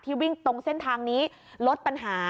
วิ่งตรงเส้นทางนี้ลดปัญหา